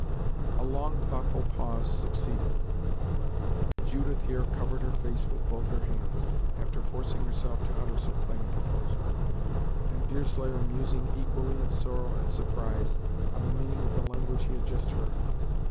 A long, thoughtful pause succeeded; Judith here covered her face with both her hands, after forcing herself to utter so plain a proposal, and Deerslayer musing equally in sorrow and surprise, on the meaning of the language he had just heard.